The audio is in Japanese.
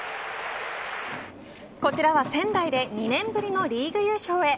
こちらは仙台で２年ぶりのリーグ優勝へ。